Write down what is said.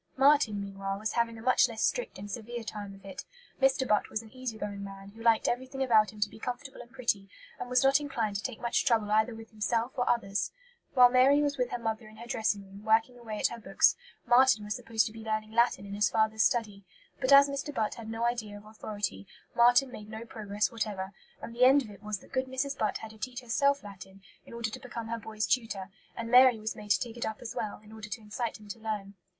Marten, meanwhile, was having a much less strict and severe time of it. Mr. Butt was an easy going man, who liked everything about him to be comfortable and pretty, and was not inclined to take much trouble either with himself or others. While Mary was with her mother in her dressing room, working away at her books, Marten was supposed to be learning Latin in his father's study. But as Mr. Butt had no idea of authority, Marten made no progress whatever, and the end of it was that good Mrs. Butt had to teach herself Latin, in order to become her boy's tutor; and Mary was made to take it up as well, in order to incite him to learn.